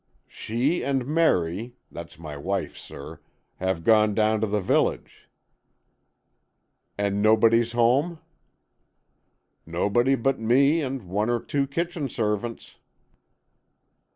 "She and Merry—that's my wife, sir—have gone down to the village." "And nobody's home?" "Nobody but me and one or two kitchen servants."